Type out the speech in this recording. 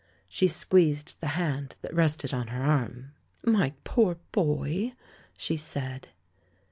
She squeezed the hand that rested on her arm. "My poor boy!" she said.